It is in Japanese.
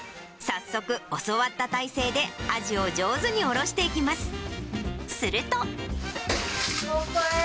早速、教わった体勢でアジを上手におろしていきます。